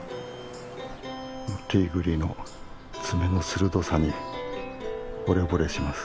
ティグリの爪の鋭さにほれぼれします。